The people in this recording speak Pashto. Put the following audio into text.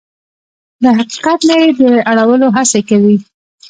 له حقیقت نه يې د اړولو هڅې کوي.